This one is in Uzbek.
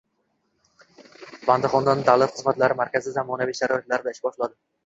Bandixonda Davlat xizmatlari markazi zamonaviy sharoitlarda ish boshlading